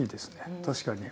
確かに。